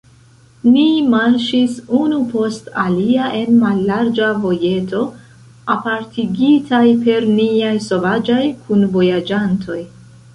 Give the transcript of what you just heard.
Ni marŝis unu post alia en mallarĝa vojeto, apartigitaj per niaj sovaĝaj kunvojaĝantoj.